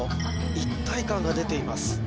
一体感が出ています